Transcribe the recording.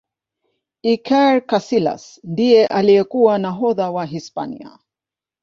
iker casilas ndiye aliyekuwa nahodha wa hispania